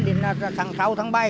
đến tháng sáu tháng bảy